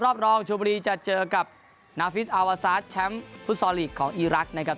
รอบรองชมบุรีจะเจอกับนาฟิศอาวาซาสแชมป์ฟุตซอลลีกของอีรักษ์นะครับ